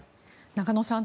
中野さん